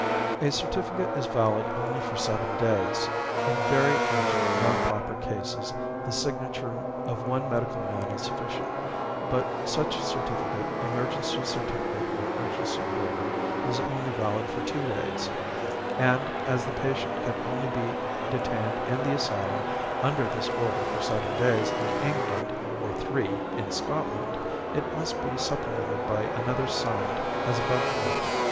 A certificate is valid only for seven days. In very urgent non pauper cases the signature of one medical man is sufficient, but such certificate (Emergency Certificate or Urgency Order) is only valid for two days, and, as the patient can only be detained in the asylum under this order for seven days in England or three in Scotland, it must be supplemented by another signed as above directed.